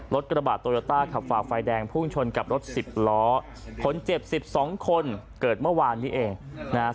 กระบาดโตโยต้าขับฝ่าไฟแดงพุ่งชนกับรถสิบล้อคนเจ็บสิบสองคนเกิดเมื่อวานนี้เองนะฮะ